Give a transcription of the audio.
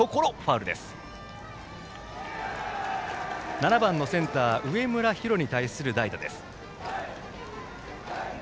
７番のセンター上村陽大に対する代打です。